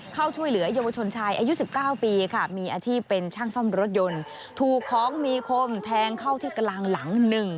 เข้าช่วยเหลือเยาวชนชายอายุ๑๙ปีค่ะมีอาชีพเป็นช่างซ่อมรถยนต์ถูกของมีคมแทงเข้าที่กลางหลัง๑